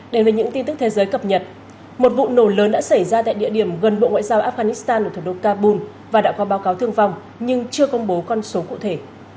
đến với những tin tức thế giới cập nhật một vụ nổ lớn đã xảy ra tại địa điểm gần bộ ngoại giao afghanistan ở thủ đô kabul và đã có báo cáo thương vong nhưng chưa công bố con số cụ thể